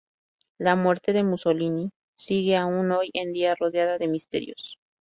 La muerte de Mussolini sigue aún hoy en día rodeada de misterios.